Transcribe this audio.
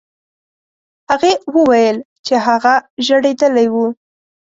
هغې وویل چې هغه ژړېدلی و.